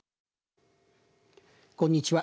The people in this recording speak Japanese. こんにちは。